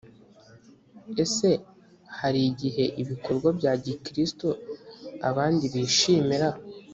ese hari igihe ibikorwa bya gikristo abandi bishimira